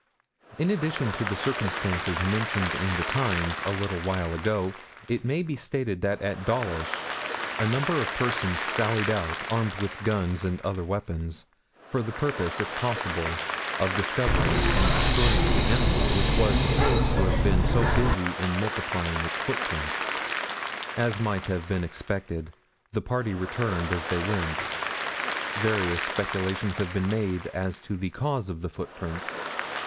In addition to the circumstances mentioned in the Times a little while ago, it may be stated that at Dawlish a number of persons sallied out, armed with guns and other weapons, for the purpose, if possible, of discovering and destroying the animal which was supposed to have been so busy in multiplying its footprints. As might have been expected, the party returned as they went. Various speculations have been made as to the cause of the footprints.